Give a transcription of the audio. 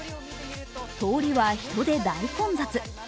通りは人で大混雑。